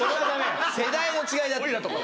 世代の違いだって。